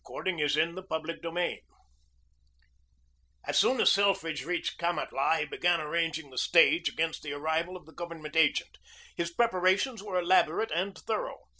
CHAPTER IX GID HOLT GOES PROSPECTING As soon as Selfridge reached Kamatlah he began arranging the stage against the arrival of the Government agent. His preparations were elaborate and thorough.